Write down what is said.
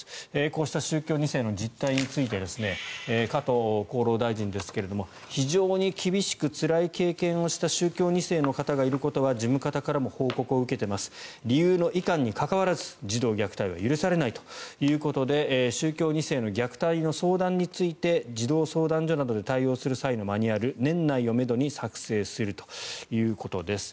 こうした宗教２世の実態について加藤厚労大臣ですが非常に厳しくつらい経験をした宗教２世の人がいることは事務方からも報告を受けています理由のいかんに関わらず児童虐待は許されないということで宗教２世の虐待の相談について児童相談所などで対応する際のマニュアル年内をめどに作成するということです。